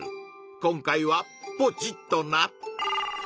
今回はポチッとな！